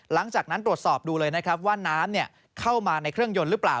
หลังจากนั้นตรวจสอบดูเลยนะครับว่าน้ำเข้ามาในเครื่องยนต์หรือเปล่า